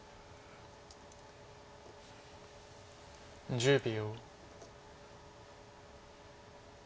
１０秒。